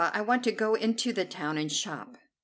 I want to go into the town and shop!"